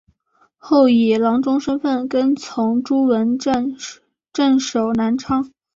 后以郎中身份跟从朱文正镇守南昌。